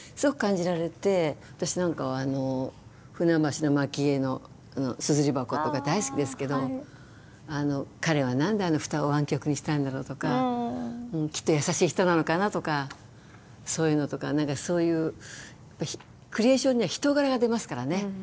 私なんかは舟橋蒔絵硯箱とか大好きですけど彼は何であの蓋を湾曲にしたんだろうとかきっと優しい人なのかなとかそういうのとか何かそういうクリエーションには人柄が出ますからね。